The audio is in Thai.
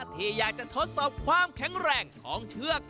ที่อยากจะทดสอบความแข็งแรงของเชือก